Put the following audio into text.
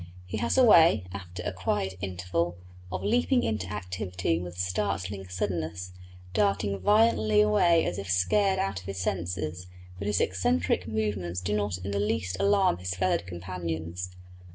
He has a way, after a quiet interval, of leaping into activity with startling suddenness, darting violently away as if scared out of his senses; but his eccentric movements do not in the least alarm his feathered companions.